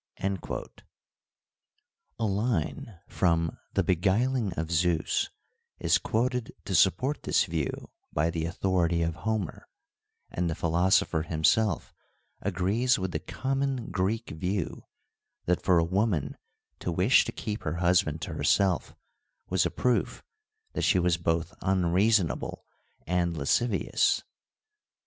'* A line from The Beguiling of Zeus is quoted to support this view by the authority of Homer, and the philoso pher himself agrees with the common Greek view that for a woman to wish to keep her husband to herself was a proof that she was both unreasonable and lascivious.